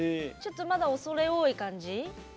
ちょっとまだ恐れ多い感じ？